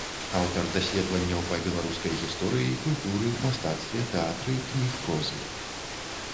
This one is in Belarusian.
Аўтар даследаванняў па беларускай гісторыі, культуры, мастацтве, тэатры, кніг прозы.